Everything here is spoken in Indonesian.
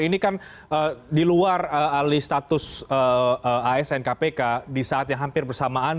ini kan di luar alih status asn kpk di saat yang hampir bersamaan